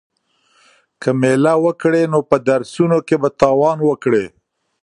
که مېله وکړې نو په درسونو کې به تاوان وکړې.